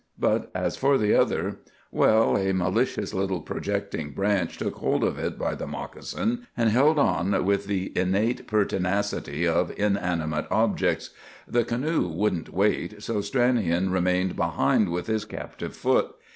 But as for the other—well, a malicious little projecting branch took hold of it by the moccasin, and held on with the innate pertinacity of inanimate things. The canoe wouldn't wait, so Stranion remained behind with his captive foot.